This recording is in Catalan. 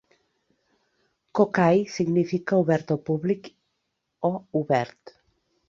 "Kokai" significa "obert al públic" o "obert".